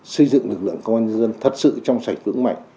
xây dựng lực lượng công an dân thật sự trong sạch vững mạnh